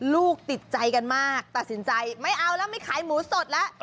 ลูกติดใจกันมากตัดสินใจไม่เอาแล้วไม่ขายหมูสดแล้ว